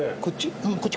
こっち？